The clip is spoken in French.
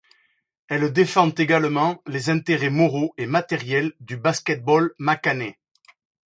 Elle défend également les intérêts moraux et matériels du basket-ball macanais.